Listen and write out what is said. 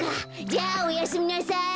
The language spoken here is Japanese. じゃあおやすみなさい。